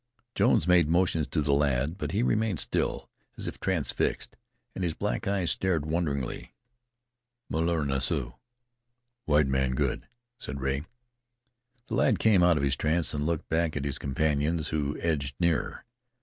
Jones made motions to the lad, but he remained still, as if transfixed, and his black eyes stared wonderingly. "Molar nasu (white man good)," said Rea. The lad came out of his trance and looked back at his companions, who edged nearer.